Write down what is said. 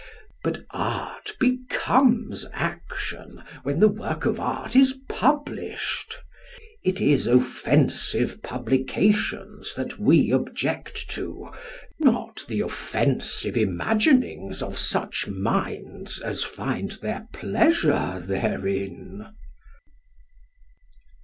But art becomes action when the work of art is published. It is offensive publications that we object to, not the offensive imaginings of such minds as find their pleasure therein.